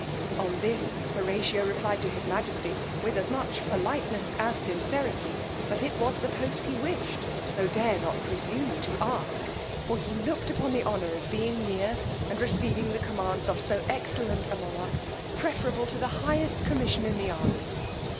On this Horatio replied to his majesty, with as much politeness as sincerity, that it was the post he wished, tho' dare not presume to ask; for he looked upon the honour of being near, and receiving the commands of so excellent a monarch, preferable to the highest commission in the army.